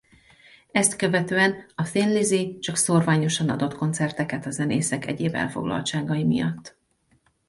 Ezt követően a Thin Lizzy csak szórványosan adott koncerteket a zenészek egyéb elfoglaltságai miatt.